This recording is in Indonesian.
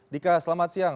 dika selamat siang